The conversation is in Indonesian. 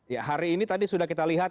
ya hari ini tadi sudah kita lihat